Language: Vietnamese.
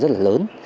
rất là lớn